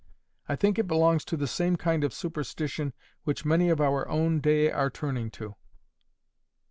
I think it belongs to the same kind of superstition which many of our own day are turning to.